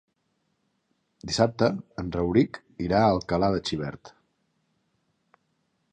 Dissabte en Rauric irà a Alcalà de Xivert.